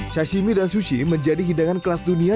sashimi dan sushi menjadi hidangan kelas dunia